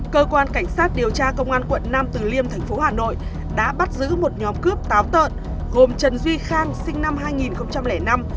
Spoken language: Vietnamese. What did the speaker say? tội phạm tp hà nội đã bắt giữ một nhóm cướp táo tợn gồm trần duy khang sinh năm hai nghìn năm